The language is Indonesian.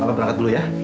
ma apa berangkat dulu ya